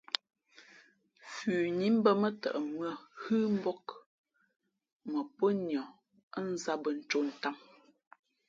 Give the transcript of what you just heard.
Fʉnǐ mbᾱ mά tαʼ mʉ̄ᾱ hʉ́ mbōk mα pó niα ά nzāt bᾱ ncō ntām.